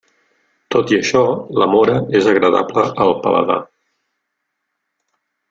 Tot i això, la móra és agradable al paladar.